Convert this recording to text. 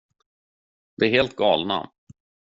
De är helt galna.